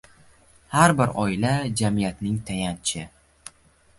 Har bir oila jamiyatning tayanchi